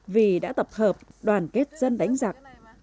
vì đã tập hợp đoàn kết dân đánh giặc